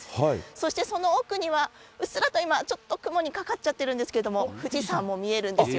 そしてその奥には、うっすらと今、ちょっと雲にかかっちゃってるんですけれども、富士山も見えるんですよ。